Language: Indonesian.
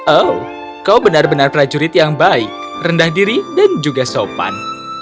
oh kau benar benar prajurit yang baik rendah diri dan juga sopan